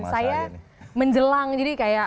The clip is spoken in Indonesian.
saya menjelang jadi kayak